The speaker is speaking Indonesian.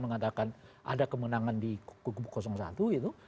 mengatakan ada kemenangan di kukub satu itu